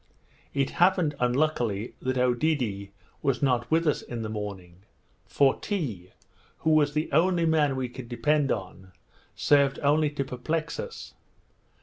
It happened unluckily that Oedidee was not with us in the morning; for Tee, who was the only man we could depend on, served only to perplex us.